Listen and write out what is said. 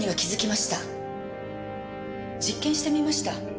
実験してみました。